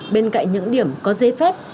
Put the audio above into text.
bên cạnh những điểm có dế phép